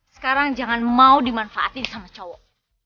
sekarang jangan mau dimanfaatin sama cowok